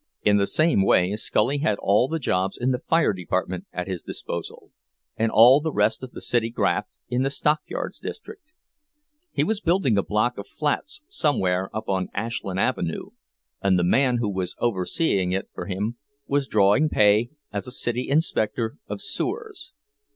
In the same way Scully had all the jobs in the fire department at his disposal, and all the rest of the city graft in the stockyards district; he was building a block of flats somewhere up on Ashland Avenue, and the man who was overseeing it for him was drawing pay as a city inspector of sewers.